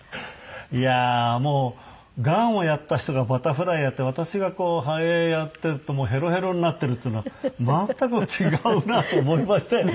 いやーもうがんをやった人がバタフライやって私が背泳やっているとヘロヘロになっているっていうのは全く違うなと思いましたよね。